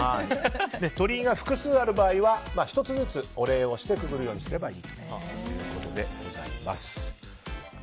鳥居が複数ある場合は１つずつお礼をしてくぐるようにすればいいということでございます。